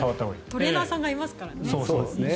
トレーナーさんがいますからね。